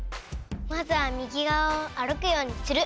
まずは右がわを歩くようにする。